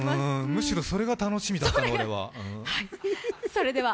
むしろ、それが楽しみだったのでは。